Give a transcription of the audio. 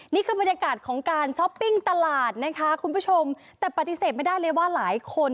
นี่คือบรรยากาศของการช้อปปิ้งตลาดนะคะคุณผู้ชมแต่ปฏิเสธไม่ได้เลยว่าหลายคน